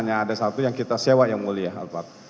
hanya ada satu yang kita sewa yang mulia